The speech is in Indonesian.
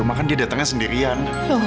oma kan dia datangnya sendirian